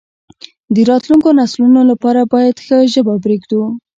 د راتلونکو نسلونو لپاره باید ښه ژبه پریږدو.